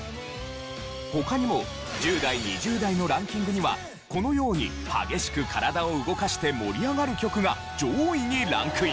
他にも１０代２０代のランキングにはこのように激しく体を動かして盛り上がる曲が上位にランクイン！